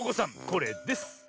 これです。